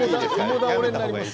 共倒れになります。